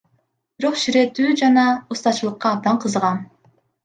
Бирок ширетүү жана устачылыкка абдан кызыгам.